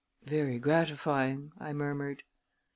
"Very gratifying!" I murmured.